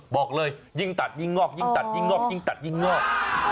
บอกเลยยิ่งตัดยิ่งงอกยิ่งตัดยิ่งงอกยิ่งตัดยิ่งงอก